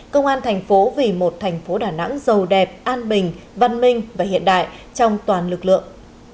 công an thành phố vì một thành phố đà nẵng giàu đẹp an bình văn minh và hiện đại trong toàn lực lượng